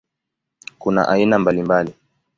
Kuna aina mbalimbali.